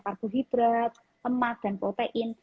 karbohidrat lemak dan protein